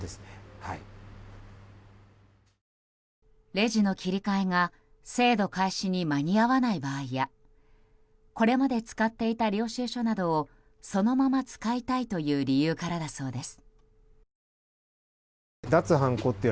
レジの切り替えが制度開始に間に合わない場合やこれまで使っていた領収書などをそのまま使いたいという理由からだそうです。